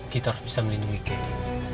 kita harus bisa melindungi kita